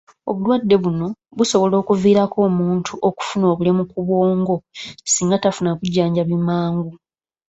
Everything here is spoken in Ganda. Obulwadde buno busobola okuviirako omuntu okufuna obulemu ku bwongo singa tafuna bujjanjabi mangu.